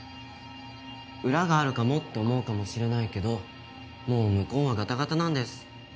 裏があるかもって思うかもしれないけどもう向こうはガタガタなんです。